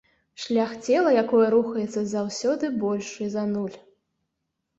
Шлях цела, якое рухаецца, заўсёды большы за нуль.